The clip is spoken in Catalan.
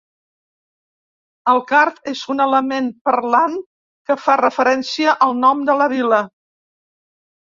El card és un element parlant que fa referència al nom de la vila.